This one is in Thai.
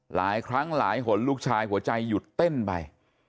หลายครั้งหลายหนลูกชายหัวใจหยุดเต้นไป